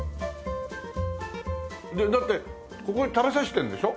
ここで食べさせてるんでしょ？